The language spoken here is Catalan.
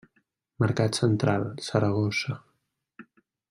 Mercat Central, Saragossa.